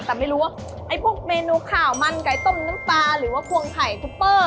แต่ไม่รู้ว่าไอ้พวกเมนูข่าวมันไก่ต้มน้ำปลาหรือว่าควงไข่ซุปเปอร์